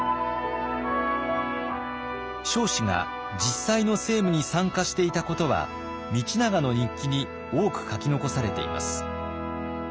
彰子が実際の政務に参加していたことは道長の日記に多く書き残されています。